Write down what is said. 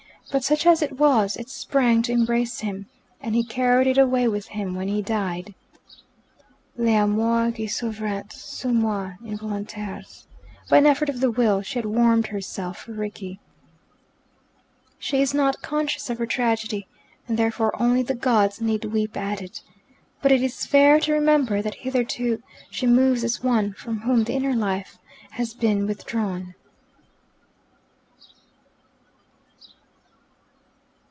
But such as it was, it sprang to embrace him, and he carried it away with him when he died. Les amours gui suivrent sont moins involuntaires: by an effort of the will she had warmed herself for Rickie. She is not conscious of her tragedy, and therefore only the gods need weep at it. But it is fair to remember that hitherto she moves as one from whom the inner life has been withdrawn.